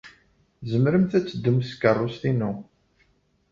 Tzemremt ad teddumt s tkeṛṛust-inu.